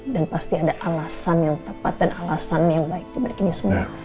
dan pasti ada alasan yang tepat dan alasan yang baik di belakang ini semua